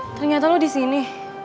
ternyata lo di sini